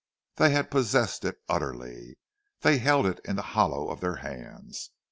They possessed it utterly—they held it in the hollow of their hands.